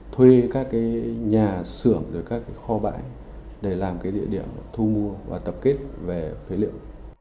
thuê các nhà xưởng các kho bãi để làm cái địa điểm thu mua và tập kết về phế liệu